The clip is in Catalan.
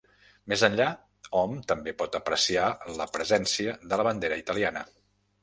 Més enllà hom també pot apreciar la presència de la bandera italiana.